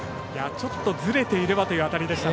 ちょっと、ずれていればという当たりでした。